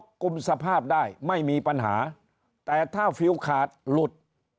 กลุ่มสภาพได้ไม่มีปัญหาแต่ถ้าฟิลขาดหลุด